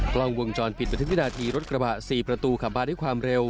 กล้องวงจรผิดประทับที่นาทีรถกระบะสี่ประตูขับบ้านได้ความเร็ว